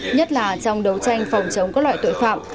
nhất là trong đấu tranh phòng chống các loại tội phạm